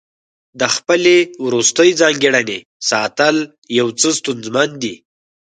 د خپلې وروستۍ ځانګړنې ساتل یو څه ستونزمن دي.